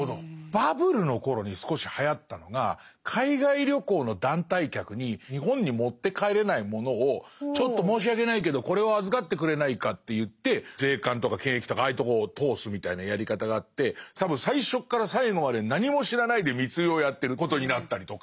バブルの頃に少しはやったのが海外旅行の団体客に日本に持って帰れないものを「ちょっと申し訳ないけどこれを預かってくれないか」って言って税関とか検疫とかああいうとこを通すみたいなやり方があって多分最初から最後まで何も知らないで密輸をやってることになったりとか。